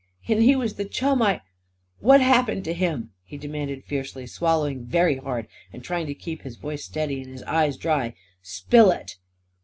And he was the chum I What happened to him?" he demanded fiercely, swallowing very hard and trying to keep his voice steady and his eyes dry. "Spill it!"